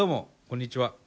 こんにちは。